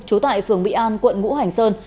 chú tại phường mỹ an quận ngũ hành sơn